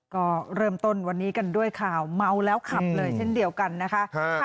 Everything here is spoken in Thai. ก็เริ่มต้นวันนี้กันด้วยข่าวเมาแล้วขับเลยเช่นเดียวกันนะคะ